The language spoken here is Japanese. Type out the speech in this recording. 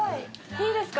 いいですか？